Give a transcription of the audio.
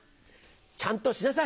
ちゃんとしなさい。